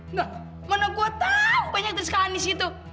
nggak mana gue tahu banyak tersekalaan di situ